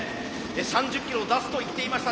３０キロを出すと言っていました。